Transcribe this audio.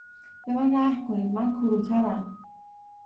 به من رحم کنید; من کور و کرم.